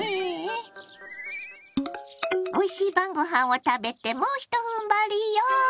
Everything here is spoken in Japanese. おいしい晩ごはんを食べてもうひとふんばりよ！